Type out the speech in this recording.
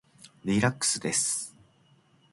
リラックスです。